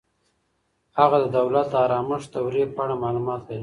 هغه د دولت د آرامښت دورې په اړه معلومات لري.